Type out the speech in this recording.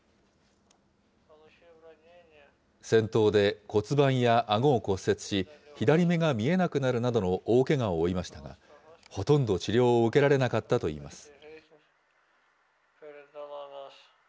戦闘で骨盤やあごを骨折し、左目が見えなくなるなどの大けがを負いましたが、ほとんど治療を受けられなかったといいます。